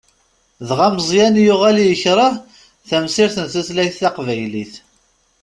Dɣa Meẓyan yuɣal yekreh tamsirt n tutlayt taqbaylit.